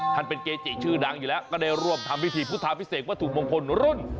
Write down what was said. ท่านเป็นเกจิชื่อดังอยู่แล้วก็ได้ร่วมทำพิธีพุทธาพิเศษวัตถุมงคลรุ่น